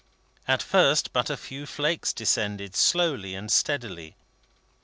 At first, but a few flakes descended slowly and steadily.